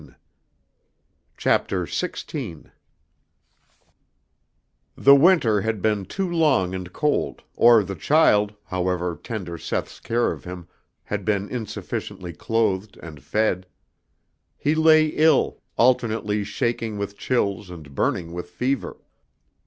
The winter had been too long and cold, or the child, however tender Seth's care of him, had been insufficiently clothed and fed. He lay ill, alternately shaking with chills and burning with fever.